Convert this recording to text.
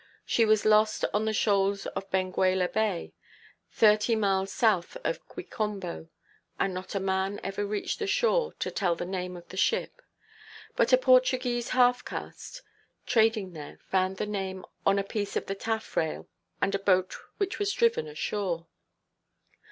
She was lost on the shoals of Benguela Bay, thirty miles south of Quicombo; and not a man ever reached the shore to tell the name of the ship. But a Portuguese half–caste, trading there, found the name on a piece of the taffrail, and a boat which was driven ashore.